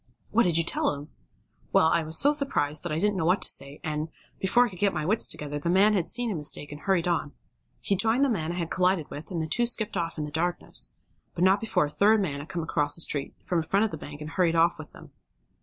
'" "What did you tell him?" "Well, I was so surprised that I didn't know what to say, and, before I could get my wits together the man had seen his mistake and hurried on. He joined the man I had collided with, and the two skipped off in the darkness. But not before a third man had come across the street, from in front of the bank, and hurried off with them."